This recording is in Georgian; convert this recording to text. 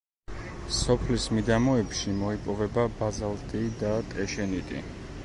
სოფლის მიდამოებში მოიპოვება ბაზალტი და ტეშენიტი.